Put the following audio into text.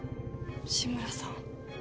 志村さん